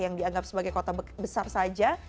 yang dianggap sebagai kota besar saja